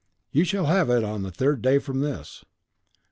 "You shall have it on the third day from this."